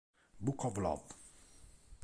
Book of Love